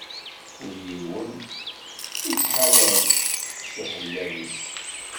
Kul yiwen ittḥalab s uḥellab-is.